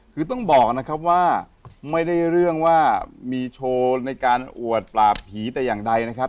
คือต้องบอกนะครับว่าไม่ได้เรื่องว่ามีโชว์ในการอวดปราบผีแต่อย่างใดนะครับ